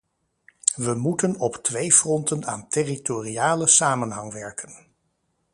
We moeten op twee fronten aan territoriale samenhang werken.